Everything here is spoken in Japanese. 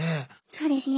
そうですね